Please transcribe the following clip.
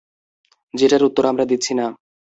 যেটার উত্তর আমরা দিচ্ছি না।